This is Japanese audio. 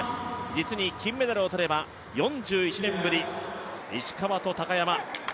実に金メダルをとれば４１年ぶり、石川と高山。